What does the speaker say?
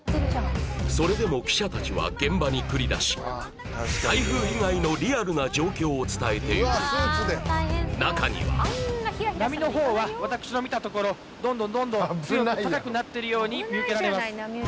それでも記者たちは現場に繰り出し台風被害のリアルな状況を伝えていく中には波のほうは私の見たところどんどんどんどん強く高くなってるように見受けられます